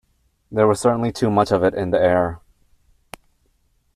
There was certainly too much of it in the air.